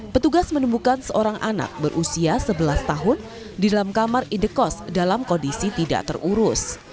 petugas menemukan seorang anak berusia sebelas tahun di dalam kamar indekos dalam kondisi tidak terurus